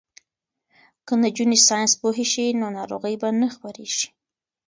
که نجونې ساینس پوهې شي نو ناروغۍ به نه خپریږي.